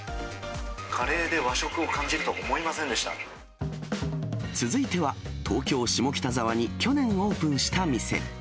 カレーで和食を感じるとは思いま続いては、東京・下北沢に去年オープンした店。